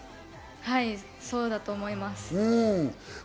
はい、そうだと思います。